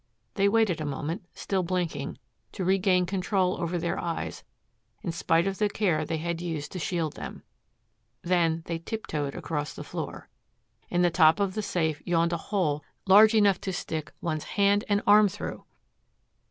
They waited a moment, still blinking, to regain control over their eyes in spite of the care they had used to shield them. Then they tiptoed across the floor. In the top of the safe yawned a hole large enough to stick one's hand and arm through!